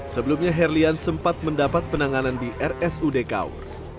sebelumnya herlian sempat mendapat penanganan di rsud kaur